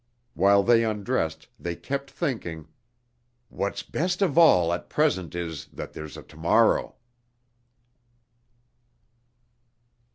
While they undressed they kept thinking: "What's best of all at present is, that there's a tomorrow."